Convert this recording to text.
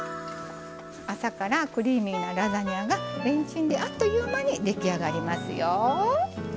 朝からクリーミーなラザニアがレンチンであっという間に出来上がりますよ。